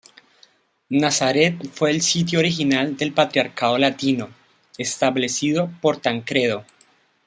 Nazaret fue el sitio original del Patriarcado Latino, establecido por Tancredo.